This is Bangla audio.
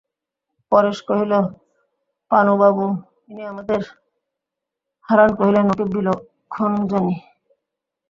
পরেশ কহিল, পানুবাবু, ইনি আমাদের– হারান কহিলেন, ওঁকে বিলক্ষণ জানি।